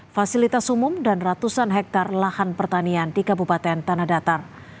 fasilitas umum dan ratusan hektare lahan pertanian di kabupaten tanah datar